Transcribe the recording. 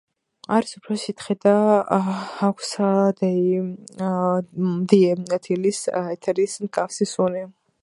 არის უფერო სითხე და აქვს დიეთილის ეთერის მსგავსი სუნი.